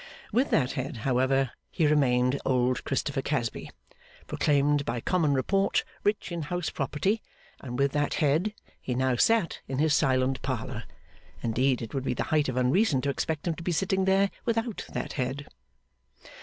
With that head, however, he remained old Christopher Casby, proclaimed by common report rich in house property; and with that head, he now sat in his silent parlour. Indeed it would be the height of unreason to expect him to be sitting there without that head.